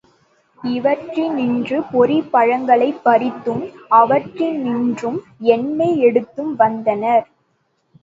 இவற்றினின்று பொரி பழங்களைப் பறித்தும், அவற்றினின்றும் எண்ணெய் எடுத்தும் வந்தனர்.